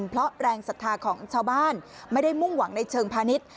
เพราะแรงศรัทธาของชาวบ้านไม่ได้มุ่งหวังในเชิงพาณิชย์